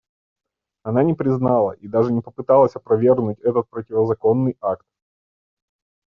Она не признала и даже не попыталась опровергнуть этот противозаконный акт.